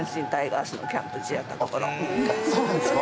そうなんですか？